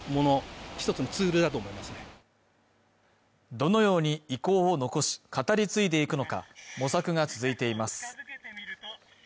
どのように遺構を残し語り継いでいくのか模索が続いています